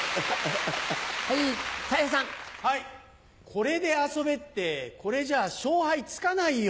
これで遊べってこれじゃあ勝敗つかないよ。